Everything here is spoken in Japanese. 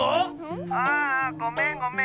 ああごめんごめん。